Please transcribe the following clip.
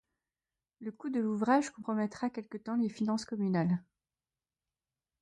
Le coût de l'ouvrage compromettra quelque temps les finances communales.